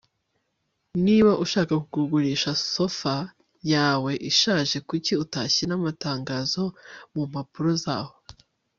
Niba ushaka kugurisha sofa yawe ishaje kuki utashyira amatangazo mumpapuro zaho